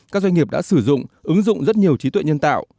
các doanh nghiệp đã sử dụng ứng dụng rất nhiều trí tuệ nhân tạo